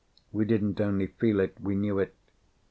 We didn't only feel it, we knew it.